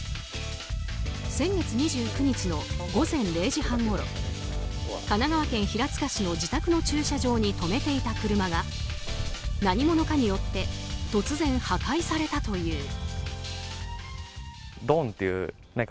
先月２９日の午前０時半ごろ神奈川県平塚市の自宅の駐車場に止めていた車が何者かによって突然、破壊されたという。